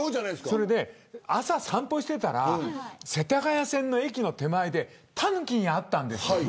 それで朝、散歩していたら世田谷線の駅の手前でタヌキに会ったんです。